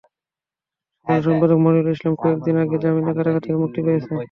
সাধারণ সম্পাদক মনিরুল ইসলাম কয়েক দিন আগে জামিনে কারাগার থেকে মুক্তি পেয়েছেন।